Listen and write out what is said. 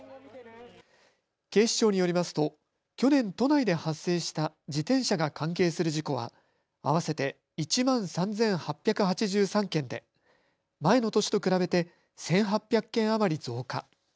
警視庁によりますと去年、都内で発生した自転車が関係する事故は合わせて１万３８８３件で前の年と比べて１８００件余り増加。